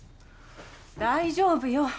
大丈夫よ。